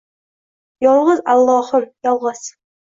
Yolgʻiz allohim, yolgʻiz.